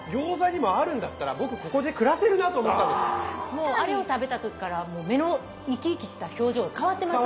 もうあれを食べた時から目の生き生きした表情が変わってました。